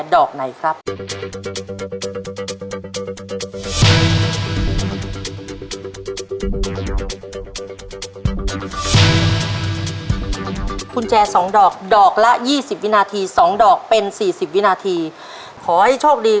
ได้ใช่ไหม